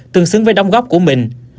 tương xứng với đóng góp của mình